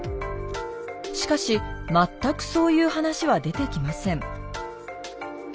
しかし全くそういう話は出てきません。